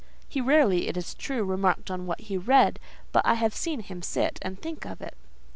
He rarely, it is true, remarked on what he read, but I have seen him sit and think of it.